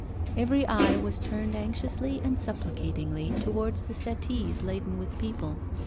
Every eye was turned anxiously and supplicatingly towards the settees laden with people.